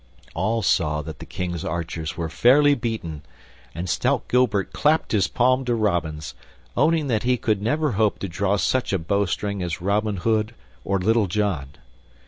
All saw that the King's archers were fairly beaten, and stout Gilbert clapped his palm to Robin's, owning that he could never hope to draw such a bowstring as Robin Hood or Little John.